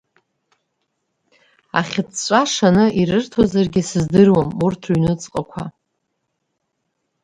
Ахьыҵәҵәа шаны ирырҭозаргьы сыздыруам урҭ рыҩнуҵҟақәа!